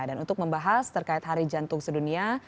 dan untuk membahas terkait hari jantung sedunia